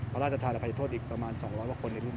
พระราชทายรับภัยโทษอีกประมาณ๒๐๐บาทคนในรุ่นนี้